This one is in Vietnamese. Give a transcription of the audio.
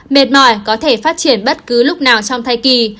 mệt mỏi có thể phát triển bất cứ lúc nào trong thai kỳ